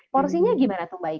porsinya gimana tuh mbak ika